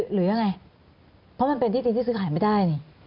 หรือยังไงเพราะมันเป็นที่จริงที่ซื้อขายไม่ได้นี่